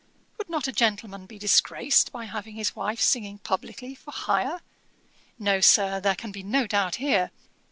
Would not a gentleman be disgraced by having his wife singing publickly for hire? No, Sir, there can be no doubt here.